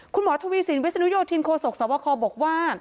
คุณหมอทุวีสินวิทยาลัยโยธินโครสกษวครบอกว่า